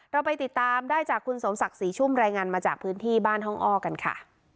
เราไปติดตามได้จากคุณสมศักดิ์ศรีชุ่มรายงานมาจากพื้นที่บ้านห้องอ้อกันค่ะ